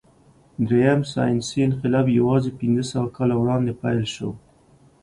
درېیم ساینسي انقلاب یواځې پنځهسوه کاله وړاندې پیل شو.